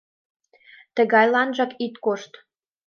Тыгайланжак ит кошт.